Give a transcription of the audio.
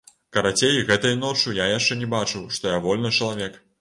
Карацей, гэтай ноччу я яшчэ не бачыў, што я вольны чалавек.